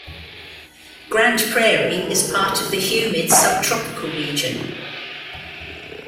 Grand Prairie is part of the humid subtropical region.